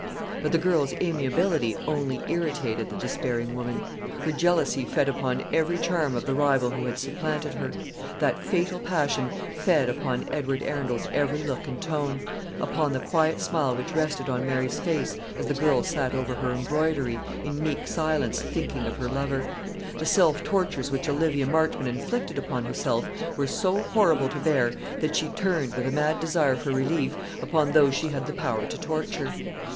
But the girl's amiability only irritated the despairing woman. Her jealousy fed upon every charm of the rival who had supplanted her. That fatal passion fed upon Edward Arundel's every look and tone, upon the quiet smile which rested on Mary's face as the girl sat over her embroidery, in meek silence, thinking of her lover. The self tortures which Olivia Marchmont inflicted upon herself were so horrible to bear, that she turned, with a mad desire for relief, upon those she had the power to torture.